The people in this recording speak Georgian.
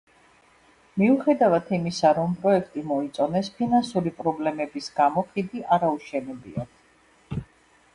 მიუხედავად იმისა, რომ პროექტი მოიწონეს, ფინანსური პრობლემების გამო ხიდი არ აუშენებიათ.